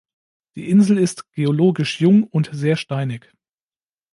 Die Insel ist geologisch jung und sehr steinig.